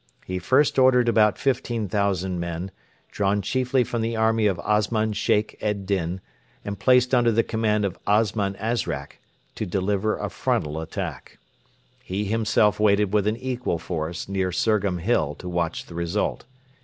He first ordered about 15,000 men, drawn chiefly from the army of Osman Sheikh ed Din and placed under the command of Osman Azrak, to deliver a frontal attack. He himself waited with an equal force near Surgham Hill to watch the result.